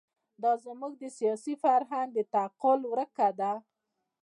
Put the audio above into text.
دا زموږ د سیاسي فرهنګ د تعقل ورکه ده.